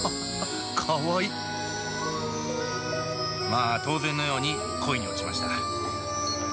まあ当然のように恋に落ちました。